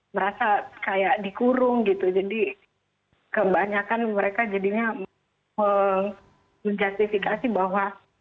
merasa kayak dikurung gitu jadi kebanyakan mereka jadinya menjustifikasi bahwa